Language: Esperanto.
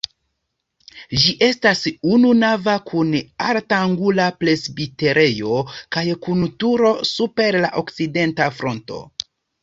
Ĝi estas ununava kun ortangula presbiterejo kaj kun turo super la okcidenta fronto.